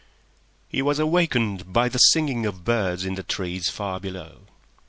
. He was awakened by the singing of birds in the trees far below.